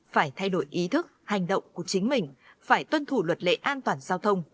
phải thay đổi ý thức hành động của chính mình phải tuân thủ luật lệ an toàn giao thông